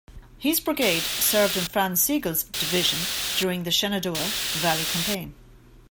His brigade served in Franz Sigel's division during the Shenandoah Valley Campaign.